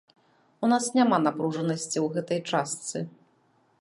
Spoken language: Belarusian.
У нас няма напружанасці ў гэтай частцы.